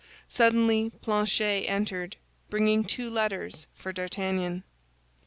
Suddenly Planchet entered, bringing two letters for D'Artagnan.